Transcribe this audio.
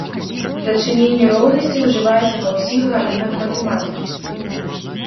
Дачыненне роўнасці ўжываецца ва ўсіх галінах матэматыкі.